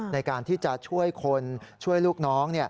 ในการที่จะช่วยคนช่วยลูกน้อง